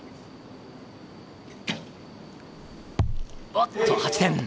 おっと、８点。